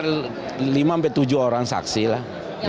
ada lima tujuh orang saksi lah